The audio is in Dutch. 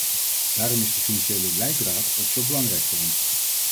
Daarom is de financiële leidraad ook zo belangrijk voor ons.